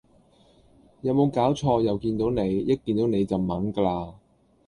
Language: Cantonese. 有冇搞錯又見到你一見到你就炆㗎喇